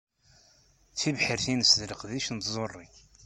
Tibḥirt-ines d leqdic n tẓuṛi.